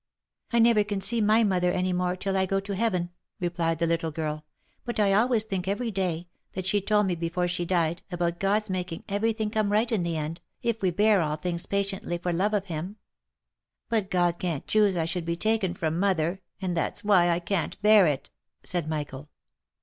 " I never can see my mother any more, till I go to Heaven," replied the little girl —" but I always think every day, that she told me before she died, about God's making every thing come right in the end, if we bear all things patiently for love of him." " But God can't choose I should be taken from mother, and that's why I can't bear it," said Michael.